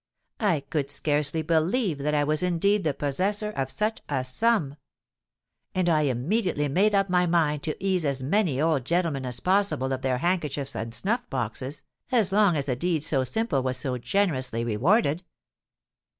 I could scarcely believe that I was indeed the possessor of such a sum; and I immediately made up my mind to ease as many old gentlemen as possible of their handkerchiefs and snuff boxes, as long as a deed so simple was so generously rewarded.